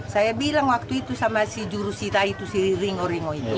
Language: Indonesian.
saya bilang waktu itu sama si jurusita itu si ringo ringo itu